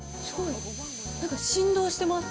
なんか振動してます。